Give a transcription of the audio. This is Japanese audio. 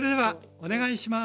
お願いします！